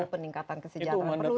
peningkatan kesejahteraan itu perlu